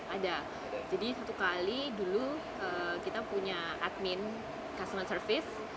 ada jadi satu kali dulu kita punya admin customer service